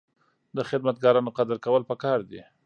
د خدمتګارانو قدر کول پکار دي.